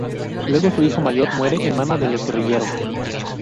Luego su hijo mayor muere en mano de los guerrilleros.